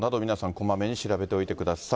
こまめに調べておいてください。